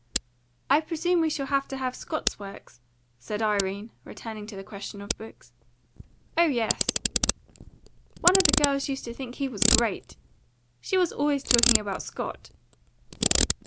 "I presume we shall have to have Scott's works," said Irene, returning to the question of books. "Oh yes." "One of the girls used to think he was GREAT. She was always talking about Scott."